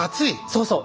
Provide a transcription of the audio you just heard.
そうそう！